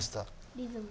リズム。